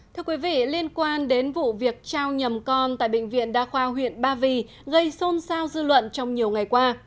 thưa quý vị liên quan đến vụ việc trao nhầm con tại bệnh viện đa khoa huyện ba vì gây xôn xao dư luận trong nhiều ngày qua